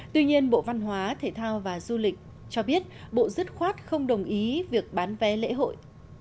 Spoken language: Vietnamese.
tuy nhiên bộ văn hóa thể thao và du lịch cho biết bộ dứt khoát không đồng ý việc bán vé lễ hội